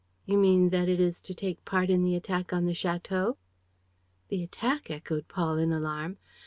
"You mean that it is to take part in the attack on the château?" "The attack?" echoed Paul, in alarm.